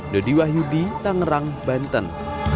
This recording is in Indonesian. dodi wahyudi tangerang banten